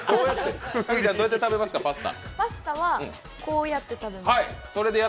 パスタは、こうやって食べます。